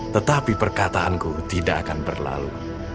tetapi perkataanku tidak akan berlalu